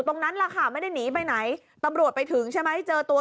ตรงนั้นแหละค่ะไม่ได้หนีไปไหนตำรวจไปถึงใช่ไหมเจอตัว